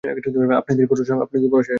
আপনাদের ভরসায় রইলাম!